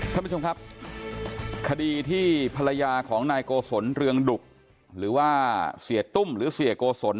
ท่านผู้ชมครับคดีที่ภรรยาของนายโกศลเรืองดุกหรือว่าเสียตุ้มหรือเสียโกศล